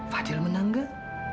fadhil menang gak